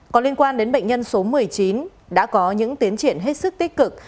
có liên quan đến bệnh nhân số một mươi chín đã có những tiến triển hết sức tích cực